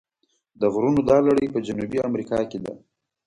د غرونو دا لړۍ په جنوبي امریکا کې ده.